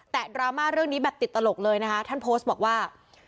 แต่ดราม่าเรื่องนี้แบบติดตลกเลยนะคะท่านโพสต์บอกว่า